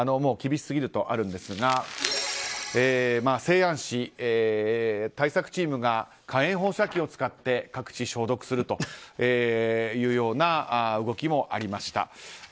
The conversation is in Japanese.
厳しすぎるとあるんですが西安市、対策チームが火炎放射器を使って各地、消毒するという動きもありました。